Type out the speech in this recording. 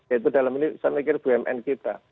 ya itu dalam ini saya mikir bumn kita